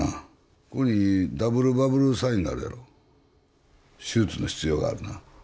ここにダブルバブルサインがあるやろ手術の必要があるな